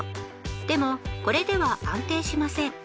でもこれでは安定しません。